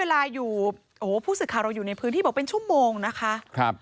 พูดสิทธิ์ค้าเราอยู่ในพื้นที่บอกเป็นชั่วโมงนะคะ